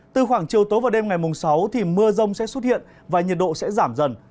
từ khoảng chiều tối và đêm ngày mùng sáu mưa rông sẽ xuất hiện và nhiệt độ sẽ giảm dần